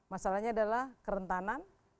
masalahnya adalah kerentanan